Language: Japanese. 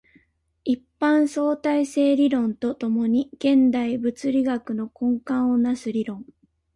一般相対性理論と共に現代物理学の根幹を成す理論